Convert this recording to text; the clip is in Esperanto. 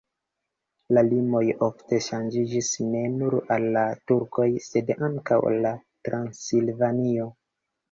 La limoj ofte ŝanĝiĝis ne nur al la turkoj, sed ankaŭ al Transilvanio.